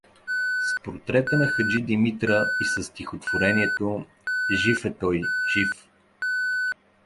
с портрета на Хаджи Димитра и със стихотворението: _Жив е той, жив!